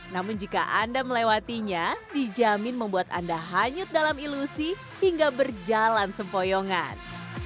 namun jika anda melewatinya dijamin membuat anda hanyut dalam ilusi hingga berjalan sempoyongan